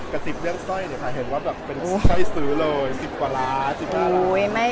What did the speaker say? กะจิบเรื่องสต้อยเนี่ยพายเห็นว่าค่ะเป็นสต้อยซื้อเลย๑๐กว่าล้า